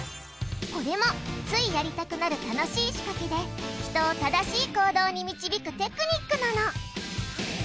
これもついやりたくなる楽しい仕掛けで人を正しい行動に導くテクニックなの！